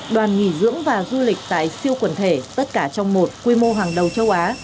đoàn nghỉ dưỡng và du lịch tại siêu quần thể tất cả trong một quy mô hàng đầu châu á